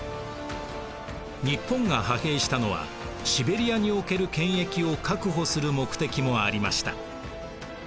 日本が派兵したのはシベリアにおける権益を確保する目的もありました。